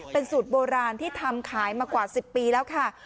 เป็นสูตรโบราณที่ทำขายมากว่า๑๐ปีแล้วค่ะ